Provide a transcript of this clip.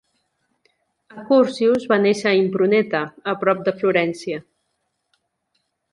Accursius va néixer a Impruneta, a prop de Florència.